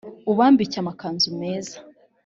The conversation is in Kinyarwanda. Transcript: ubambike amakanzu meza